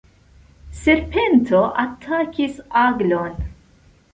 Serpento atakis aglon.